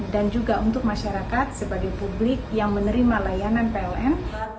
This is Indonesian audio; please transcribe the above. dan juga untuk masyarakat sebagai publik yang menerima layanan pln